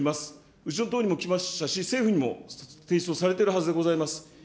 うちの党にも来ましたし、政府にも提出をされているはずでございます。